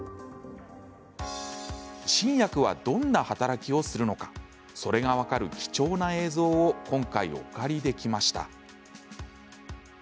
新薬は、どんな働きをするのかそれが分かる貴重な映像を今回、お借りできました。